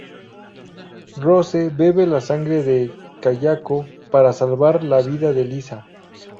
Rose bebe la sangre de Kayako para salvar la vida de Lisa.